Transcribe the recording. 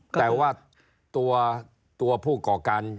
แต่ว่าตัวผู้ก่อการ